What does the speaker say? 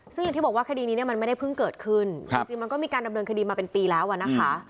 ซึ่งอย่างที่บอกว่าคดีนี้เนี่ยมันไม่ได้เพิ่งเกิดขึ้นจริงมันก็มีการดำเนินคดีมาเป็นปีแล้วอะนะคะ